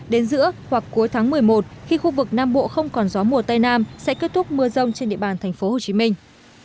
đến giữa hoặc cuối tháng một mươi một khi khu vực nam bộ không còn gió mùa tây nam sẽ kết thúc mưa rông trên địa bàn thành phố hồ chí minh